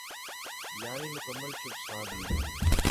یعنی مکمل چپ سادھ لی۔